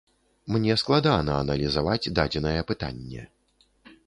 Мне складана аналізаваць дадзенае пытанне.